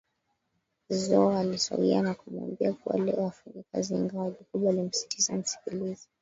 Zo alisogea na kumwambia kuwa leo hafanyi kazi ingawa Jacob alimsisitiza amsikilize